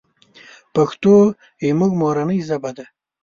پښتو زمونږ مورنۍ ژبه ده.